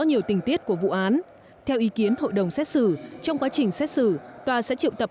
nhiều tình tiết của vụ án theo ý kiến hội đồng xét xử trong quá trình xét xử tòa sẽ triệu tập